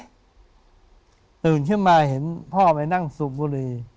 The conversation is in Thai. ตื่นขึ้นมาเห็นพ่อไปนั่งสูบบุหรี่